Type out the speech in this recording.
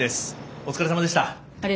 お疲れさまでした。